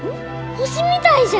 星みたいじゃ！